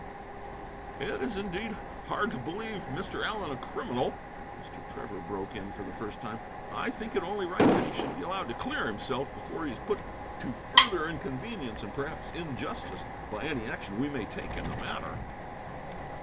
"It is indeed hard to believe Mr. Allen a criminal," Mr. Trevor broke in for the first time. "I think it only right that he should be allowed to clear himself before he is put to further inconvenience, and perhaps injustice, by any action we may take in the matter."